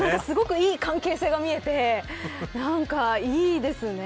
素敵ないい関係性が見えていいですね。